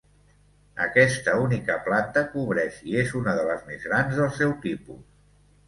Aquesta única planta cobreix i és una de les més grans del seu tipus.